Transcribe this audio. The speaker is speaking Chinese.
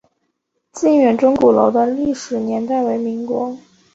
靖远钟鼓楼的历史年代为民国。